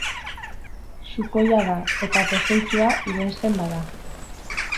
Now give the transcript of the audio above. Sukoia da, eta pozoitsua irensten bada.